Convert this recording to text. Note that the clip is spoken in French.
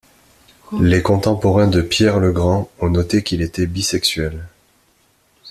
Les contemporains de Pierre le Grand ont noté qu’il était bisexuel.